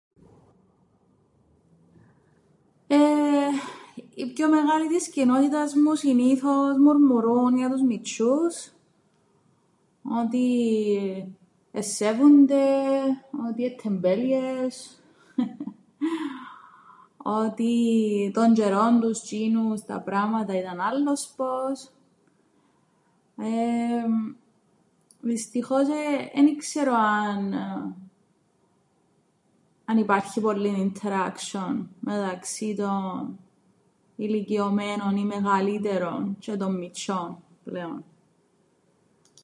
Εεε... Οι πιο μεγάλοι της κοινότητας μου συνήθως μουρμουρούν για τους μιτσ̆ιο΄υς ότι εν σέβουνται, ότι εν' ττεμπέληες... χε χε... ...ότι τον τζ̆αιρόν τους τζ̆είνους τα πράματα ήταν άλλοσπως... Εεε... Δυστυχώς εν ι-ξέρω αν... αν υπάρχει πολλ΄υν interaction μεταξύ των ηλικιωμένων ή μεγαλύτερων τζ̆αι των μιτσ̆ιών πλέον.